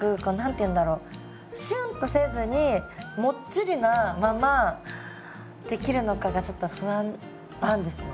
シュンとせずにもっちりなまま出来るのかがちょっと不安なんですよ。